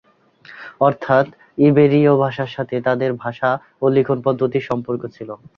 অর্থাৎ ইবেরীয় ভাষার সাথে তাদের ভাষা ও লিখন পদ্ধতির সম্পর্ক ছিল।